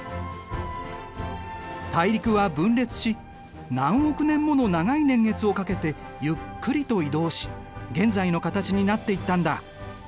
大陸は分裂し何億年もの長い年月をかけてゆっくりと移動し現在の形になっていったんだ。